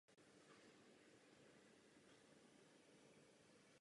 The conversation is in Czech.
Došlo k vytvoření systému poskytování těžebních práv.